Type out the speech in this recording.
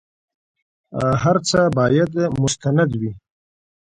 هر څه بايد مستند وي.